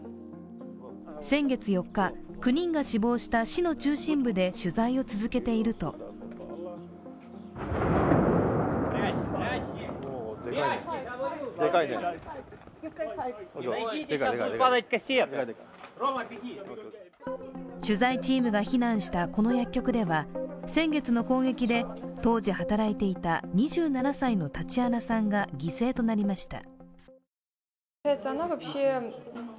先月４日、９人が死亡した市の中心部で取材を続けていると取材チームが避難したこの薬局では先月の攻撃で、当時働いていた２７歳のタチアナさんが犠牲となりました。